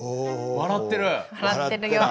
笑ってるよ。